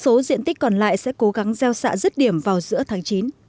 số diện tích còn lại sẽ cố gắng gieo xạ rứt điểm vào giữa tháng chín